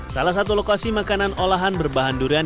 salah satu lokasi makanan olahan berbahan durian